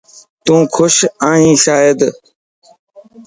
تون خوش ائين شايد